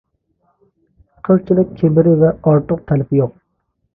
قىلچىلىك كىبىرى ۋە ئارتۇق تەلىپى يوق.